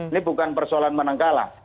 ini bukan persoalan menang kalah